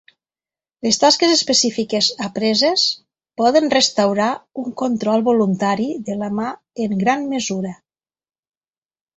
Les tasques específiques apreses poden restaurar un control voluntari de la mà en gran mesura.